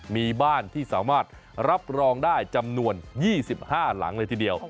มีบ้านที่สามารถรับรองได้จำนวน๒๕หลังเลยทีเดียว